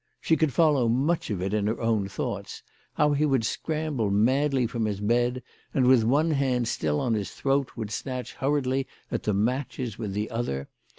She could follow much of it in her own thoughts ; how he would scramble madly from his bed, and, with one hand still on his throat, would snatch hurriedly at the matches with the other.